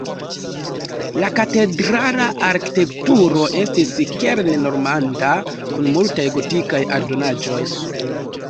La katedrala arkitekturo estis kerne normanda kun multaj gotikaj aldonaĵoj.